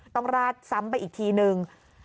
ต้องราดซ้ำไปอีกทีหนึ่ง